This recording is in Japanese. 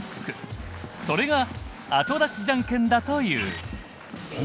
それが「後出しじゃんけん」だという。